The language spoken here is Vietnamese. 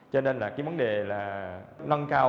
cho nên là cái vấn đề là nâng cao